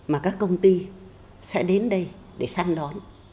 mà các công ty sẽ đến đây để săn đón